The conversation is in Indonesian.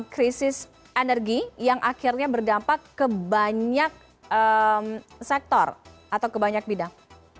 krisis energi yang akhirnya berdampak kebanyak sektor atau kebanyak bidang